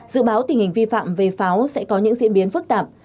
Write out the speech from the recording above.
dự báo tình hình vi phạm về pháo sẽ có những diễn biến phức tạp